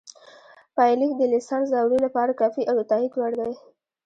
پایلیک د لیسانس دورې لپاره کافي او د تائید وړ دی